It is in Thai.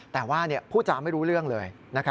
แต่ผู้จาวไม่รู้เรื่องเลย